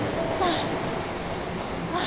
ああ。